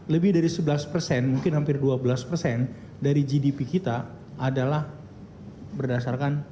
lebih dari sebelas persen mungkin hampir dua belas persen dari gdp kita adalah berdasarkan